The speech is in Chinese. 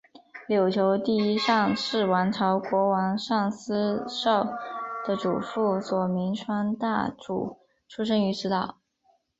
琉球第一尚氏王朝国王尚思绍的祖父佐铭川大主出生于此岛。